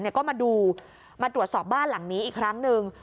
ก็มาดูมาตรวจสอบบ้านหลังนี้อีกครั้งหนึ่ง